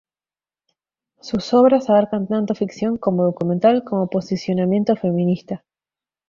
Sus obras abarcan tanto ficción como documental con posicionamiento feminista.